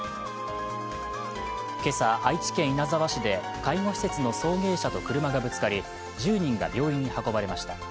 今朝、愛知県稲沢市で介護施設の送迎車と車がぶつかり、１０人が病院に運ばれました。